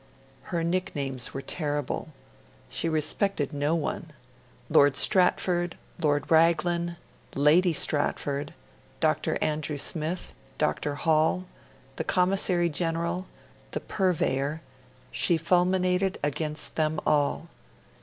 Her nicknames were terrible. She respected no one: Lord Stratford, Lord Raglan, Lady Stratford, Dr. Andrew Smith, Dr. Hall, the Commissary General, the Purveyor she fulminated against them all.